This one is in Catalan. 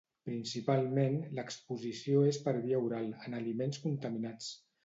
Principalment, l'exposició és per via oral, en aliments contaminats.